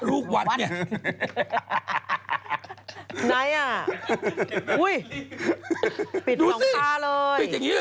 อุ๊ย